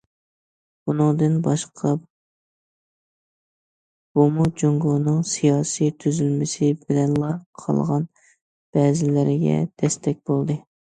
بۇنىڭدىن باشقا، بۇمۇ جۇڭگونىڭ سىياسىي تۈزۈلمىسى بىلەنلا قالغان بەزىلەرگە دەستەك بولدى.